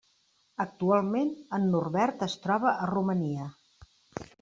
Actualment en Norbert es troba a Romania.